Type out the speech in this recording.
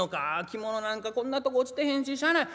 着物なんかこんなとこ落ちてへんししゃあない。